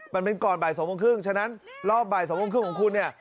มันเป็นก่อนบ่าย๒โมงครึ่งฉะนั้นรอบบ่าย๒โมงครึ่งของคุณเนี่ย